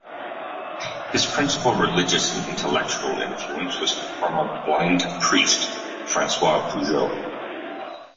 His principal religious and intellectual influence was from a blind priest, Francois Pouget.